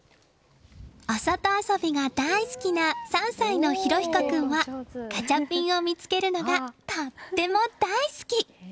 お外遊びが大好きな３歳の裕彦君はガチャピンを見つけるのがとっても大好き！